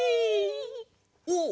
おっ！